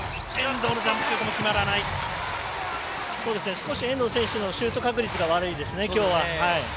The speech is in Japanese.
少し遠藤選手のシュート確率が悪いですね。